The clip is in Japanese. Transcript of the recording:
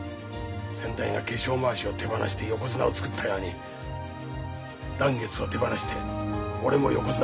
先代が化粧まわしを手放して横綱を作ったように嵐月を手放して俺も横綱を作る。